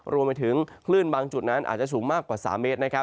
รวมไปถึงคลื่นบางจุดนั้นอาจจะสูงมากกว่า๓เมตร